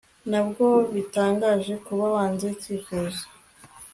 Ntabwo bitangaje kuba wanze icyifuzo